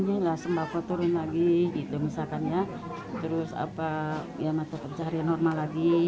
yang dipengennya semangat turun lagi mata pencaharian normal lagi